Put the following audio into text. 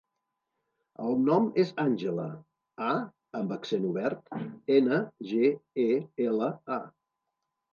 El nom és Àngela: a amb accent obert, ena, ge, e, ela, a.